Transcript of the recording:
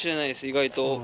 意外と。